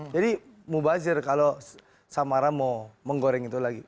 jadi mubazir kalau samara mau menggoreng itu lagi